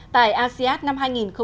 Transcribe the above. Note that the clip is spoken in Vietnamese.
tại asean năm hai nghìn một mươi tám